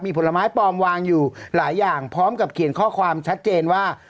มีผลไม้ปลอมวางอยู่หลายอย่างพร้อมกับเขียนข้อความชัดเจนว่า